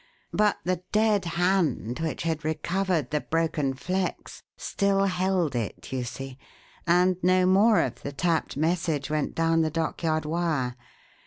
But the dead hand, which had recovered the broken flex, still held it, you see, and no more of the 'tapped' message went down the dockyard wire.